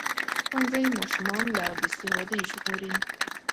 ښوونځی ماشومان له بې سوادۍ ژغوري.